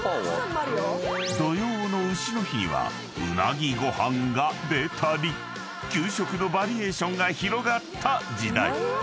［土用の丑の日にはうなぎご飯が出たり給食のバリエーションが広がった時代］